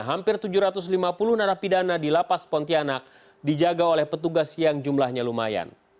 hampir tujuh ratus lima puluh narapidana di lapas pontianak dijaga oleh petugas yang jumlahnya lumayan